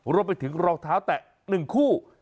รวมไปถึงรองเท้าแตะ๑คู่